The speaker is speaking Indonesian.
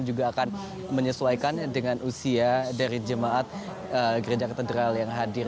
juga akan menyesuaikan dengan usia dari jemaat gereja katedral yang hadir